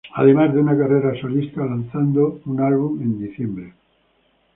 Además de una carrera solista, lanzando un álbum en diciembre.